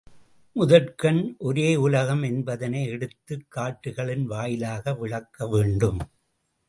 முதற்கண், ஒரேயுலகம் என்பதனை எடுத்துக் காட்டுக்களின் வாயிலாக விளக்க வேண்டும்.